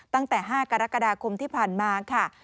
ตั้งแต่๕กรกฎาคมที่ผ่านมาค่ะ